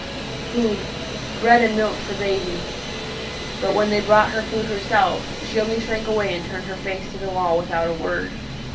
"Food bread and milk for baby." But when they brought her food herself, she only shrank away and turned her face to the wall without a word.